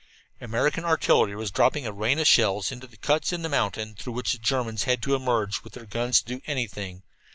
American artillery was dropping a rain of shells into the cuts in the mountain through which the Germans had to emerge with their guns to do any damage!